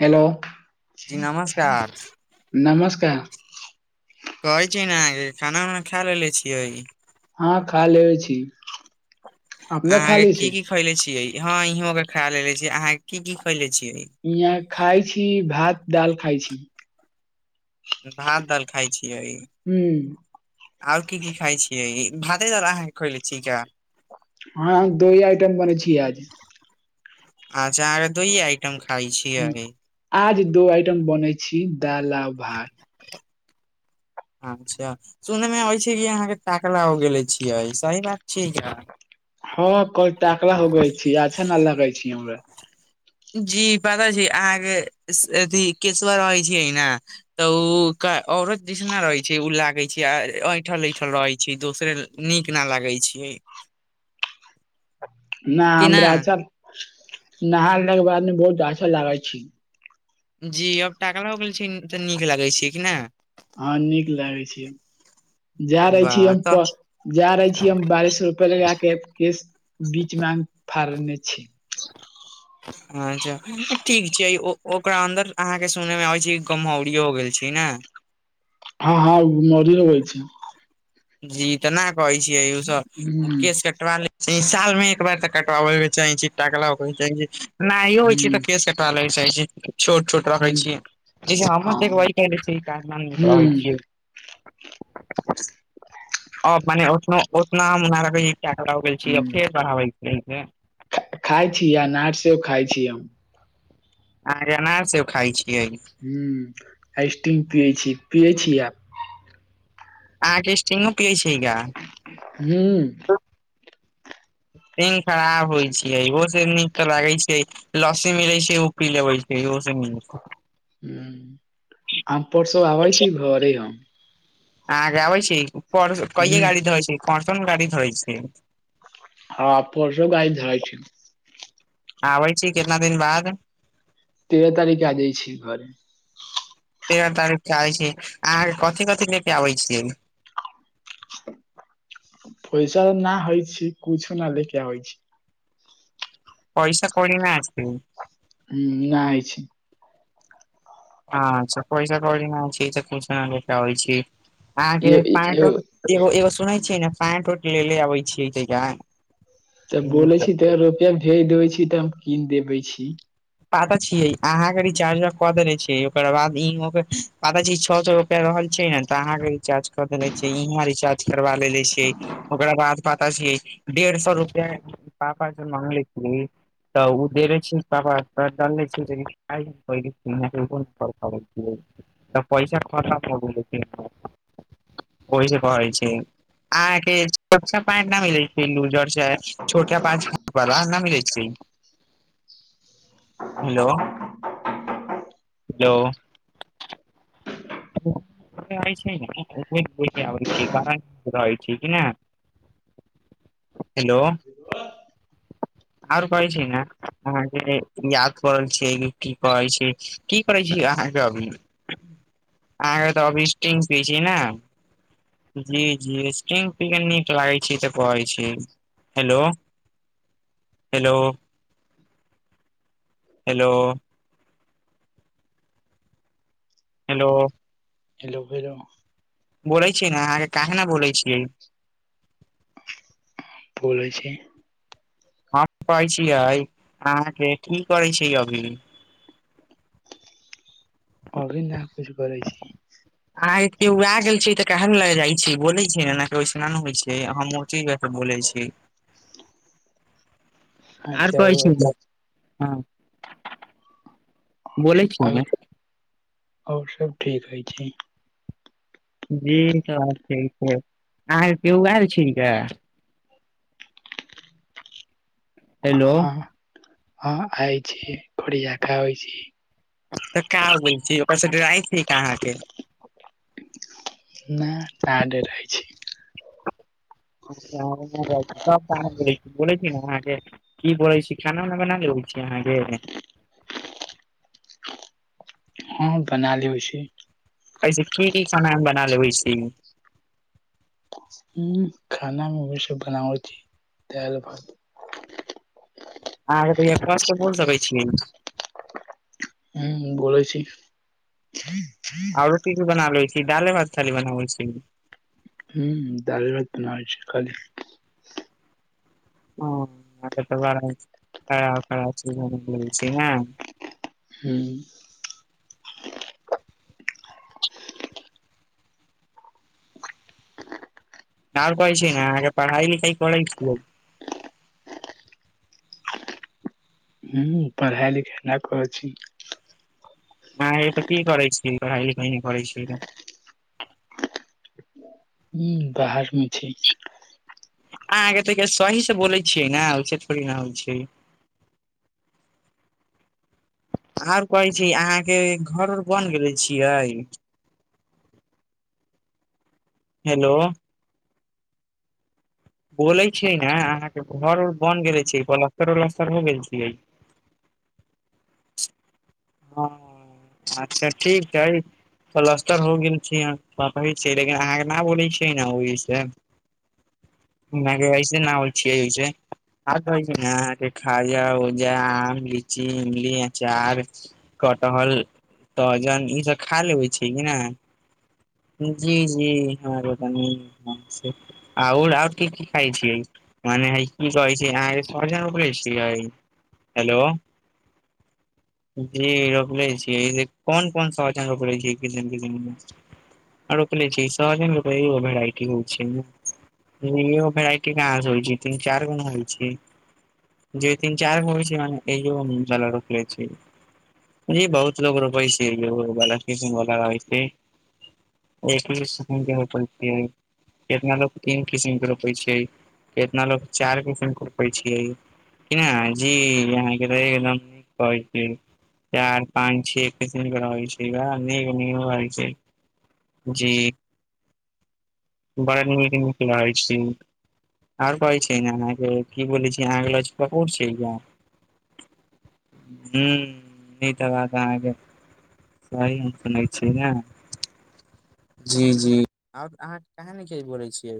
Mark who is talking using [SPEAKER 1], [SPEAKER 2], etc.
[SPEAKER 1] hello
[SPEAKER 2] जी नमस्कार
[SPEAKER 1] नमस्कार
[SPEAKER 2] कहै छी ने अहाँ खाना उना खा लेलेे छियै
[SPEAKER 1] हँ खा लऽ छी अपने
[SPEAKER 2] अहाँ
[SPEAKER 1] खा
[SPEAKER 2] के
[SPEAKER 1] ले
[SPEAKER 2] की
[SPEAKER 1] छी
[SPEAKER 2] की खैले छीयै ह इहों के खा लेे छीै अहाँ के की की खैले छियै
[SPEAKER 1] हाँ खइ छी भात डाल खइ छी
[SPEAKER 2] भात दाल खाइ छियै
[SPEAKER 1] हूँ
[SPEAKER 2] ओर की की खाइ छियै भाते दाल अहाँके खोइले छिका
[SPEAKER 1] हँ दोहि आइटम बनेै छियै आज
[SPEAKER 2] अच्छा आहाँ के दोइये आइटम खाई
[SPEAKER 1] हम्म,
[SPEAKER 2] छियै
[SPEAKER 1] आज दो आइटम बनै छी दाल आ भात
[SPEAKER 2] अच्छा सुने में आबै छीयै कि अहाँके ताकला हो गेले छियै सही बात छियै किया
[SPEAKER 1] हँ कल टकला होगई छी अच्छा न लगे छी हमरा
[SPEAKER 2] जी पता छै अहाँके अथी केशवर रहै छियै ने तऽ ओ औरत जिसना रहै छै ओ लागे छै ऐंठल ऐंठल रहै छै दोसरे नीक न लागै छियै
[SPEAKER 1] न हमरा अच्छा नहाय के बाद में बहुत अच्छा लागै छै
[SPEAKER 2] जी अब टकला हो गेल छै तऽ नीक लगे छै कि नहि
[SPEAKER 1] हँ नीक लागै छीयै जा रहे छी
[SPEAKER 2] वाह
[SPEAKER 1] हम
[SPEAKER 2] तऽ
[SPEAKER 1] जा रहे छीिय हम बारिश रुपआ लगा के केस बीच में अ फड़ने छी
[SPEAKER 2] अच्छा ठीक छै ओकरा अन्दर अहाँके सुनय मे आबै छै गमहौरी हो गेल छी ने
[SPEAKER 1] हँ हँ मरी यो होै छै
[SPEAKER 2] जी तऽ नहि कहै छियै उ
[SPEAKER 1] हुं
[SPEAKER 2] सब केश कटवा ल साल मे एक बार तऽ कटवाबै के चाही छै टाकला के च नाय हो छै त
[SPEAKER 1] हुं
[SPEAKER 2] खे चालैसइ छी छोट छोट रखे
[SPEAKER 1] हुं
[SPEAKER 2] छीयै जसे हमर देखब
[SPEAKER 1] हँ
[SPEAKER 2] रहै
[SPEAKER 1] हुं
[SPEAKER 2] छियै अ मने ओतना हम गेल छी फेर पढ़ाबै
[SPEAKER 1] खाइ छी अनार सेब खाइ छी हम
[SPEAKER 2] अहाँ अनार से खााय छियै
[SPEAKER 1] आइसट्रीम पियै छी पियै छी
[SPEAKER 2] आहाँके स्टींगो पियै छैगा
[SPEAKER 1] हू
[SPEAKER 2] दिन खराब होइ छियै ओहो से नीक तऽ लागै छै लसी मिलै छै ओ‌ पी लेबै छै से मिल
[SPEAKER 1] आब परसो आबै छी घरे हम
[SPEAKER 2] अहाँके आबै छी कैे
[SPEAKER 1] हुं
[SPEAKER 2] गाड़ी धर छै कोसन गाड़ी धरे छै
[SPEAKER 1] हँ परसो गारी धर छी
[SPEAKER 2] आबै छी कितना दिन बाद
[SPEAKER 1] तेर तारीख आ जाइ छी घर
[SPEAKER 2] तेरह तारीख के आबै छी अहाँके कथि कथि ले के आबै छियै
[SPEAKER 1] पैसा न होइ छी कुछु न ले के आबै छी
[SPEAKER 2] पैसा कोरि ना छै
[SPEAKER 1] ह नहिइ छै
[SPEAKER 2] अँछा पैसा कौड़ी नहि छै त कछ नहि होै छी अहाँके
[SPEAKER 1] यो
[SPEAKER 2] प
[SPEAKER 1] यो
[SPEAKER 2] एगो एगो सुनै छियै ने साैंट उट लेे अबै छी ज
[SPEAKER 1] तब बोले छी तऽ रुपआ भेज देबे छी तऽ हम कीन देबे छी
[SPEAKER 2] पता छियै अहाँके रिचार्ज कऽ देनेे छ ओकर बाद इ पता छै छ सए कर रहल छै ने तऽ अहाँ के रिचार्ज कर देेले छै इहाँ रिचार्ज करा लेले छै ओकरा बाद पता छियै डेढ़ सए रुपआ पापा जे मागले छियै तऽ ओ देनेे छी पापा डालने [unintelligible] तऽ पैसा खतम हो गेल‌ छै ओहि से कहें छि अहाँ केा पट न मिले छै लूजर छै छोटका पच न मिलैत छै हेलो हेलो क नहि [unintelligible] हेलो आओर कहै छै ने अहाँके याद परै छियै की कहै छै की करै छी अहाँके अभी अहाँके तऽ अभी स्ट पियै छी ने जी जी स्ट्रंग पि कऽ‌ नीक लागैत छै तऽ कहै छी hello hello hello hello
[SPEAKER 1] hello भेलेलो [inaudible]
[SPEAKER 2] बोलै छियै ने अहाँके काह न बोलै छियै
[SPEAKER 1] बोलै छी
[SPEAKER 2] हम कहै छियै अहाँके की करै छै अभी
[SPEAKER 1] अभी न कुछ करै छी
[SPEAKER 2] अहाँ के के उए गेल छै तऽ कहल लग जाइ छै बोले छै एना ओैसना ने होइ छै हम ठ बोलै छी आर
[SPEAKER 1] अच्छा
[SPEAKER 2] कहैत छी हँ बोलै छी
[SPEAKER 1] आओर
[SPEAKER 2] ने
[SPEAKER 1] आओर सब ठीक हय छै
[SPEAKER 2] जी त ठीक छै अहाँ केओ आयल छ हेलो
[SPEAKER 1] हँ आइ छी घड़ी जाका होइ छी [unintelligible]
[SPEAKER 2] तऽ कै छी ओकर से ड्रइ छै अहाँ के [inaudible]
[SPEAKER 1] न रह छै [unintelligible]
[SPEAKER 2] त बोल छी ने अहाँके [inaudible] की बोैलै छी खाना उना बना लबै छी अहाँके
[SPEAKER 1] हँ बना लेबे अछि
[SPEAKER 2] ऐसे की की खाना बना लेबै अछि
[SPEAKER 1] हु खाना हम बेशी बनावे छी दाल भात
[SPEAKER 2] अहाँ त कष्ट बोल सकैत छियै
[SPEAKER 1] हु बोलै छी
[SPEAKER 2] बना लैइ छी दाले भात खाली बनाबै छी
[SPEAKER 1] हुं दाल भात बनाबै छै खाली
[SPEAKER 2] ह तऽ बड़ खरा ख चीज ह [inaudible]
[SPEAKER 1] हू
[SPEAKER 2] ओर कहै छी ने अहाँ के पढ़ाई लिखाइ करै छीये
[SPEAKER 1] हू पढ़ाइ लिखाइ ना करै छी
[SPEAKER 2] अहाँ ऐते की करै छी पढ़ाई लिखाई नइ करै छी तऽ
[SPEAKER 1] हूँ बाहर मे छी
[SPEAKER 2] अहाँके त सही से बोले छियै ने ओस थोड़ी न होइ छै ओर कहै छै अहाँके घर ओर बन गेले छियै हेलो बोले छै ने अहाँके घर उर बन गेले छै पलस्तर उलस्तर हो गेल छियै ह अच्छा ठीक है पलस्तर हो गेल छी छै लेकिन अहाँके न बोलै छियै ने ओहि कइ छै न ओल छिय छै [inaudible] ह खाजा ओजा आम लीची इमल अचार कटहल सोहजन ई सब खा लेबै छै कि ने जी जी ह आओर आर की खाय छियै मने ह की कहै छै अहाँ सोहजन रोपले छियै हेलो जी रोपले छियै कोन कोन सोहवजन रोपले छियै आ रोपज ने त भेर हो [unintelligible] दुगो भेराइटी कहाँ होइ छै तन चारि गो ना होइ छै जे तीन चार होइ छै म ईहो मशाला रोपले छी ी बहुत लो रोपै छै बला्मीस बलागै छै [inaudible] एकी प [unintelligible] कितना लोग तीन किसिम के रोपे छियै कितना लोग चार किसिम के रोपे छियै क्या जी यहाँ के तऽ एकदम चार पाँच छ छै छै [inaudible] जी बार म खेलइ [inaudible] आ पइ छै ने अे किी छी अगला चुपा प छै क [unintelligible] बात अहाँके सही हम सुनै छियै ने [unintelligible] जी जी आब अहाँ कहां न बोलै छियै